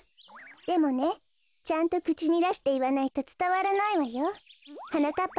でもねちゃんとくちにだしていわないとつたわらないわよ。はなかっ